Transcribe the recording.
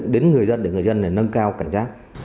đến người dân để người dân nâng cao cảnh giác